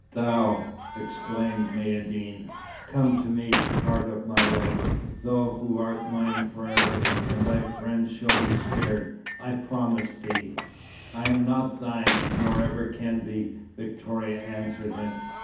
"Thou!" exclaimed Maïeddine. "Come to me, heart of my life, thou who art mine forever, and thy friends shall be spared, I promise thee." "I am not thine, nor ever can be," Victoria answered him.